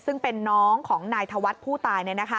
ซึ่งเป็นน้องของนายธวัฒน์ผู้ตาย